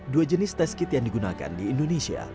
dua jenis test kit yang digunakan di indonesia